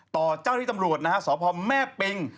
ต่อเจ้าที่ตำรวจนะฮะสพแม่ปิง